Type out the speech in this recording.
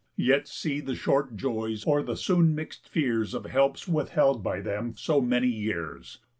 Yet see the short joys or the soon mix'd fears Of helps withheld by them so many years!